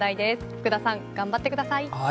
福田さん、頑張ってください。